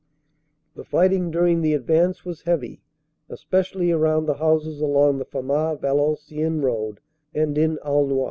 u The fighting during the advance was heavy, especially around the houses along the Famars Valenciennes road and in Aulnoy.